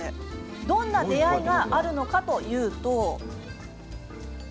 どんな出会いがあるのかというと。